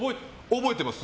覚えてます。